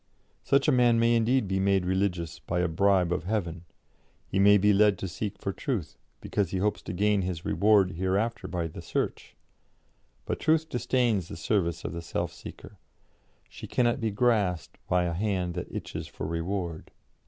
Such a man may indeed be made religious by a bribe of heaven; he may be led to seek for truth, because he hopes to gain his reward hereafter by the search; but Truth disdains the service of the self seeker; she cannot be grasped by a hand that itches for reward.